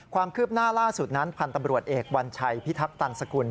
ความคืบหน้าล่าสุดนั้นพันธ์ตำรวจเอกวัญชัยพิทักตันสกุล